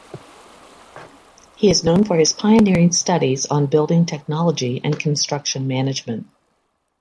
He is known for his pioneering studies on Building Technology and Construction Management.